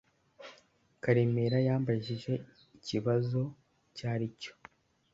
Karemera yambajije ikibazo icyo ari cyo.